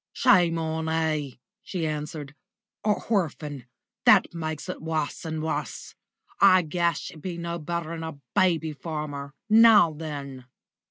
"Shame on 'e!" she answered. "A horphan that makes it wus and wus. I guess you be no better 'n a baby farmer now then!"